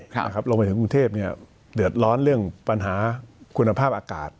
ครับครับลงไปถึงกรุงเทพเนี่ยเดือดร้อนเรื่องปัญหาคุณภาพอากาศ